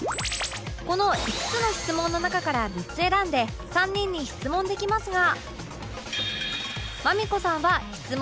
この５つの質問の中から３つ選んで３人に質問できますが